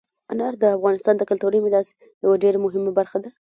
انار د افغانستان د کلتوري میراث یوه ډېره مهمه برخه ده.